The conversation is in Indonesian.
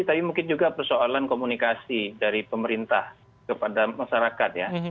tapi mungkin juga persoalan komunikasi dari pemerintah kepada masyarakat ya